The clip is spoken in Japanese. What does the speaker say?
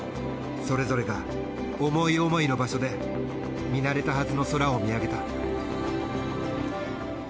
それぞれが思い思いの場所で見慣れたはずの空を見上げた。